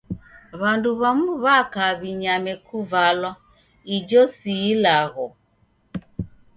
W'andu w'amu w'aka w'inyame kuvalwa--ijo si ilagho.